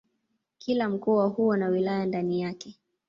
Kila mkoa huwa na wilaya ndani yake.